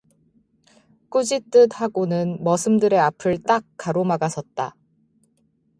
꾸짖듯 하고는 머슴들의 앞을 딱 가로막아 섰다.